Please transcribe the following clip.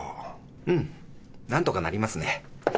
うんなんとかなりますね。